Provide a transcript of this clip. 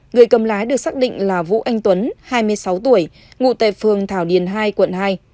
người cầm lái được xác định là vũ anh tuấn hai mươi sáu tuổi ngụ tại phường thảo điền hai quận hai